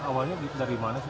awalnya dari mana